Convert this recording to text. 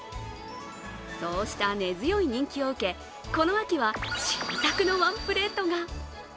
そうした根強い人気を受け、この秋は新作のワンプレートが。